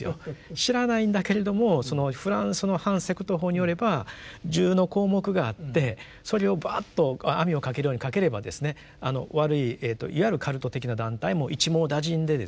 知らないんだけれどもフランスの反セクト法によれば１０の項目があってそれをバッと網をかけるようにかければですね悪いいわゆるカルト的な団体も一網打尽でですね